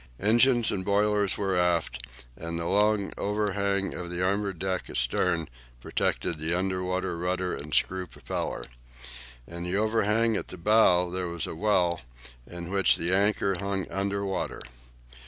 Engines and boilers were aft, and the long overhang of the armoured deck astern protected the under water rudder and screw propeller. In the overhang at the bow there was a well, in which the anchor hung under water.